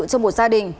trong một gia đình